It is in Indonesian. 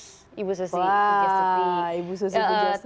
wah ibu susi ibu justity